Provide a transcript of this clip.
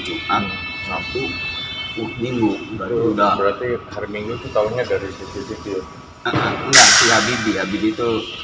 jumat waktu minggu baru udah berarti hari minggu itu tahunnya dari spg spg habib itu